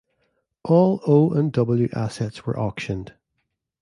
All O and W assets were auctioned.